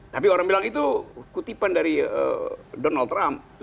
tapi orang bilang itu kutipan dari donald trump